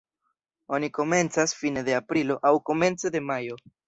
Oni komencas fine de aprilo aŭ komence de majo.